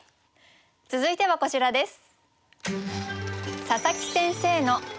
続いてはこちらです。